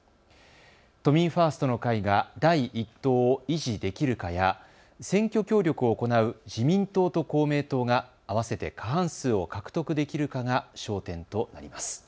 都民ファーストの会が第１党を維持できるかや、選挙協力を行う自民党と公明党があわせて過半数を獲得できるかが焦点となります。